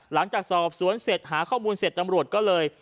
หลังจากสอบสวนเสร็จหาข้อมูลเสร็จตำรวจก็เลย